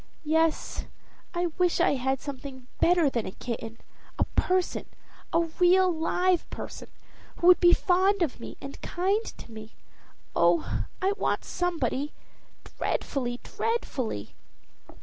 "Yes, I wish I had something better than a kitten a person, a real live person, who would be fond of me and kind to me. Oh, I want somebody dreadfully, dreadfully!"